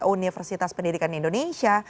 universitas pendidikan indonesia